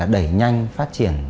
đẩy nhanh phát triển